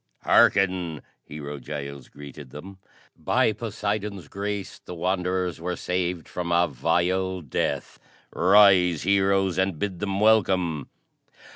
"Harken," Hero Giles greeted them. "By Poseidon's grace the Wanderers were saved from a vile death. Rise Heroes, and bid them welcome!"